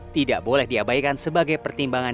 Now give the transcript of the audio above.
tidak boleh diabaikan sebagai pertimbangan